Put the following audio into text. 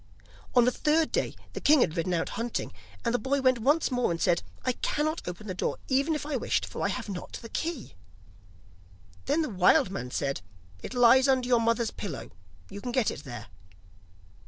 On the third day the king had ridden out hunting, and the boy went once more and said: 'I cannot open the door even if I wished, for I have not the key.' Then the wild man said: 'It lies under your mother's pillow, you can get it there.